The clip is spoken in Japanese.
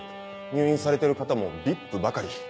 入院されてる方もＶＩＰばかり。